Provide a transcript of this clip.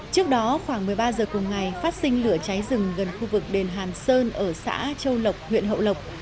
trước đó khoảng một mươi ba giờ cùng ngày phát sinh lửa cháy rừng gần khu vực đền hàn sơn ở xã châu lộc huyện hậu lộc